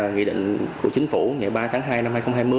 nghị định của chính phủ ngày ba tháng hai năm hai nghìn hai mươi